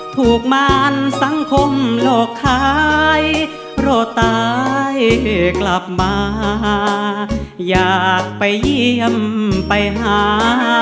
ถูกมารสังคมหลอกขายรอตายกลับมาอยากไปเยี่ยมไปหา